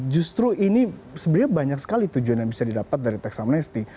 justru ini sebenarnya banyak sekali tujuan yang bisa didapat dari teks amnesty